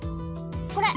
これ。